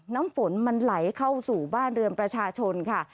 น้ำฝนมันไหลเข้าสู่บ้านเรือนประชาชนค่ะ